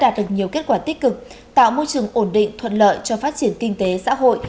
đạt được nhiều kết quả tích cực tạo môi trường ổn định thuận lợi cho phát triển kinh tế xã hội